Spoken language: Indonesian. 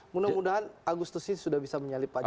mudah mudahan agustus ini sudah bisa menyalip pak jokowi